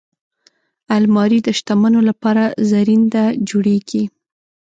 الماري د شتمنو لپاره زرینده جوړیږي